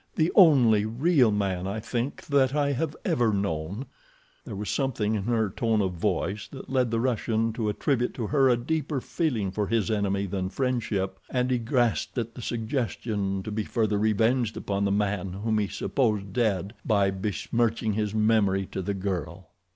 "The only real man, I think, that I have ever known." There was something in her tone of voice that led the Russian to attribute to her a deeper feeling for his enemy than friendship, and he grasped at the suggestion to be further revenged upon the man whom he supposed dead by besmirching his memory to the girl.